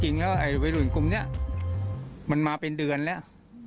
จริงแล้วไอ้วิรุณกลุ่มนี้มันมาเป็นเดือนแล้ว